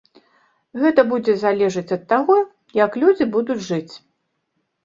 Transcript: Гэта будзе залежаць ад таго, як людзі будуць жыць.